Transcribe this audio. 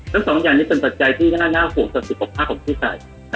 แล้ว๒อย่างนี้เป็นการนำมีในพี่ใส่